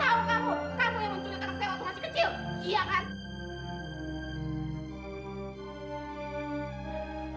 tahu kamu kamu yang muncul anak saya waktu masih kecil iya kan